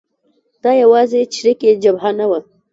دا یوازې چریکي جبهه نه وه.